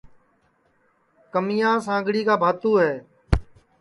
کمیا سانڳڑی کا بھانتوں ہے